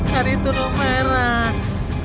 hari itu rumah erat